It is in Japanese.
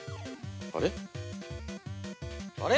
あれ？